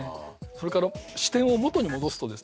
それから視点を元に戻すとですね